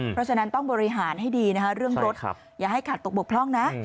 เพราะฉะนั้นต้องบริหารให้ดีนะคะเรื่องรถอย่าให้ขาดตกบกพร่องนะ